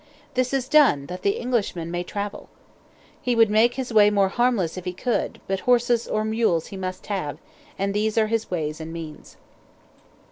This is done that the Englishman may travel. He would make his way more harmless if he could, but horses or mules he must have, and these are his ways and means.